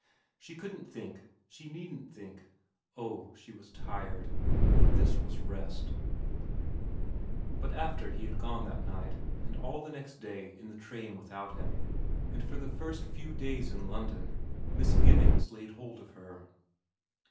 She couldn't think ; she needn't think ; oh, she was tired and this was rest. 64 VERA vi But after he had gone that night, and all the next day in the train without him, and for the first few days in London, misgivings laid hold of her.